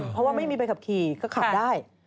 เพราะว่าไม่มีใบขับขี่ก็ขับได้